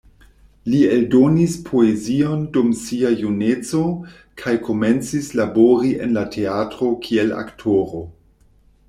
Li eldonis poezion dum sia juneco, kaj komencis labori en la teatro kiel aktoro.